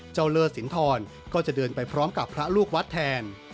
เลิศสินทรก็จะเดินไปพร้อมกับพระลูกวัดแทน